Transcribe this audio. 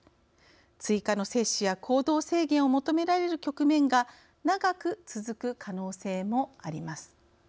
追加の接種や行動制限を求められる局面が長く続く可能性もあります。